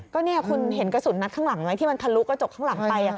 ก็เนี่ยคุณเห็นกระสุนนัดข้างหลังไหมที่มันทะลุกระจกข้างหลังไป